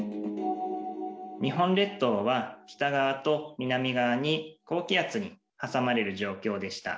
日本列島は北側と南側に高気圧に挟まれる状況でした。